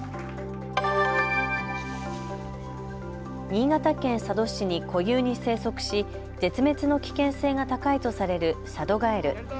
新潟県佐渡市に固有に生息し絶滅の危険性が高いとされるサドガエル。